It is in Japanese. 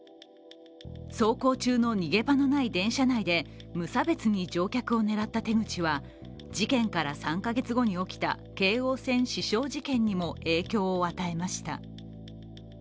走行中の逃げ場のない電車内で、無差別に乗客を狙った手口は事件から３か月後に起きた京王線刺傷事件にも影響を与えました。